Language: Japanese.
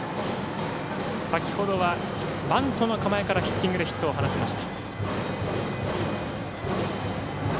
先ほどはバントの構えからヒッティングを放ちました。